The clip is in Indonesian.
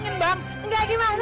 kena musibah juga loh